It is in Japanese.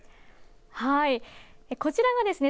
はい、こちらがですね